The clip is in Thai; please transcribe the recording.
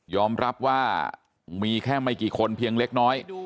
รับว่ามีแค่ไม่กี่คนเพียงเล็กน้อย